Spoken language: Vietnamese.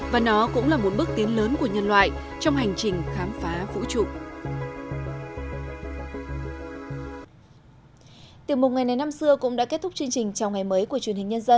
và nó cũng là một bước tiến lớn của nhân loại trong hành trình khám phá